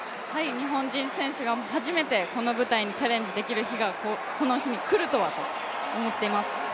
日本人選手が初めてこの舞台にチャレンジできる日がこの日、来るとは思っています。